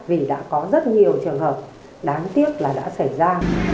vì đã có rất nhiều trường hợp đáng tiếc là đã xảy ra